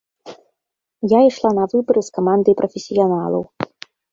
Я ішла на выбары з камандай прафесіяналаў.